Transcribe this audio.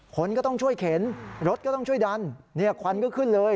คนก็ต้องช่วยเข็นรถก็ต้องช่วยดันเนี่ยควันก็ขึ้นเลย